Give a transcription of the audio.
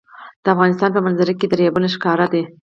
د افغانستان په منظره کې دریابونه ښکاره ده.